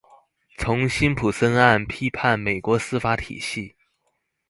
從辛普森案批判美國司法體系